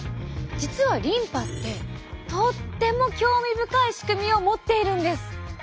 実はリンパってとっても興味深い仕組みを持っているんです。